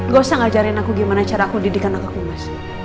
gak usah ngajarin aku gimana cara aku didikan anakku mas